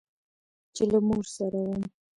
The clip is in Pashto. چې له مور سره وم.